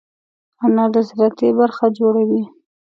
انار د سلاتې برخه جوړوي.